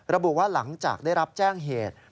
ระบุว่าหลังจากได้รับแจ้งเหตุ